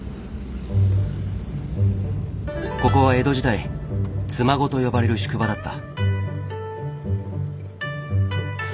ここは江戸時代「妻籠」と呼ばれる宿場だった。